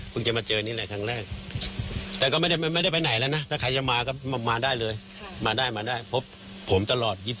คุณจะมาเจอนี่แหละครั้งแรกแต่ก็ไม่ได้ไปไหนแล้วนะถ้าใครจะมาก็มาได้เลยมาได้มาได้พบผมตลอด